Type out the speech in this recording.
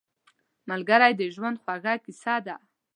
ملګری د ژوند خوږه کیسه ده